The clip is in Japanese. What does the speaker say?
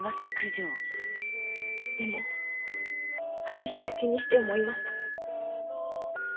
でもあの日口にして思いました。